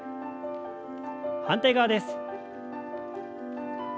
反対側です。